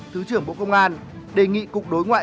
thứ trưởng bộ công an đề nghị cục đối ngoại